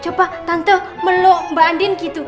coba tante meluk mbak andin gitu